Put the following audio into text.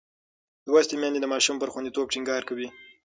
لوستې میندې د ماشوم پر خوندیتوب ټینګار کوي.